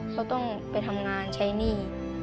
เขาต้องไปทำงานใช้หนี้